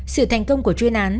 sự thành công của chuyên án